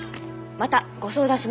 またご相談しますから。